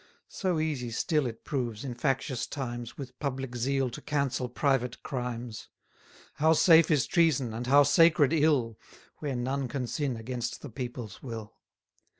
So easy still it proves, in factious times, 180 With public zeal to cancel private crimes! How safe is treason, and how sacred ill, Where none can sin against the people's will!